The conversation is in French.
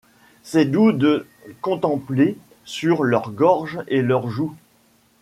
C'est doux de contempler sur leur gorge et leur joue